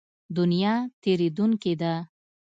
دنیا تېرېدونکې ده.